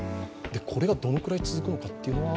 これがどのくらい続くのかというのは？